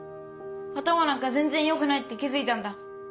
頭なんか全然良くないって気付いたんだ。